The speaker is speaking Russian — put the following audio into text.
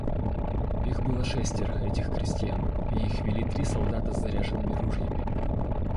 Их было шестеро, этих крестьян, и их вели три солдата с заряженными ружьями.